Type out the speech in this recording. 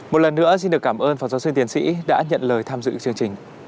một lần nữa xin được cảm ơn phó giáo sư tiến sĩ đã nhận lời tham dự chương trình